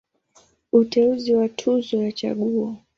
Uteuzi wa Tuzo ya Chaguo.